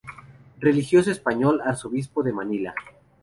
Religioso español, arzobispo de Manila.